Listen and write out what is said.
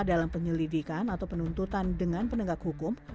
dalam penyelidikan atau penuntutan dengan penegak hukum